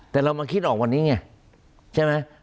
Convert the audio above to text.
แต่เรามาคิดออกวันนี้ไงใช่ไหม